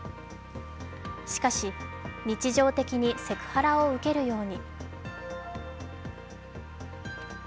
しかし日常的にセクハラを受けるように。